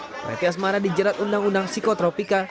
prati asmara dijerat undang undang psikotropika